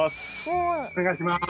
お願いします。